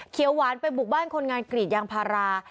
เขียวหวานไปบุกบ้านคนงานกรีดอย่างภารา